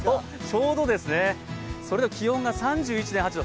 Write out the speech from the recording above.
ちょうどですね、気温が３１．８度。